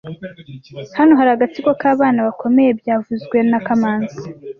Hano hari agatsiko k'abana bakomeye byavuzwe na kamanzi